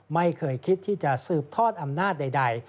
ไม่เคยคิดที่จะสืบทอดอำนาจใด